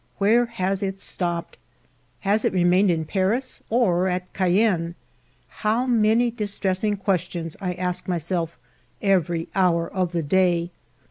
Where has it stopped? Has it re mained in Paris or at Cayenne ? How many dis tressing questions I ask myself every hour of the day.